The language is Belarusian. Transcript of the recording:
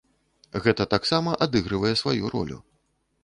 Гэта таксама адыгрывае сваю ролю.